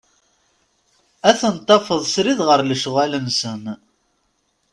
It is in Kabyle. Ad tent-tafeḍ srid ɣer lecɣal-nsen.